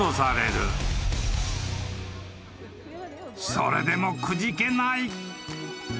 ［それでもくじけない］